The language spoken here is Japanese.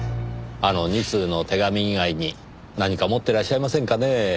あの２通の手紙以外に何か持ってらっしゃいませんかねぇ？